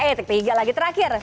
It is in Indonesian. eh ketiga lagi terakhir